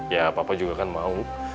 ya papa juga kan mau